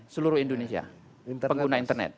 seluruh indonesia pengguna internet